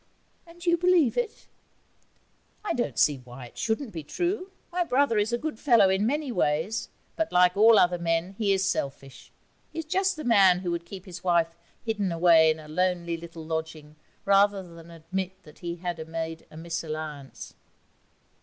'And you believe it?' 'I don't see why it shouldn't be true. My brother is a good fellow in many ways, but, like all other men, he is selfish. He is just the man who would keep his wife hidden away in a lonely little lodging rather than admit that he had made a mésalliance.